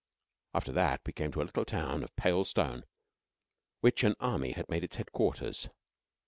After that, we came to a little town of pale stone which an Army had made its headquarters.